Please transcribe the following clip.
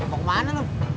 eh mau kemana lu